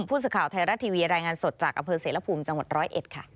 ผู้สื่อข่าวไทยรัฐทีวีรายงานสดจากอำเภอเสรภูมิจังหวัดร้อยเอ็ดค่ะ